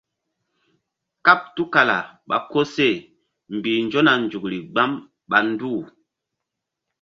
Kàɓ tul kala ɓa koseh mbih nzona nzukri gbam ƴo nduh.